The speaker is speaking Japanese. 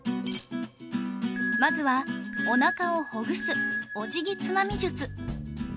まずはおなかをほぐすおじぎつまみ術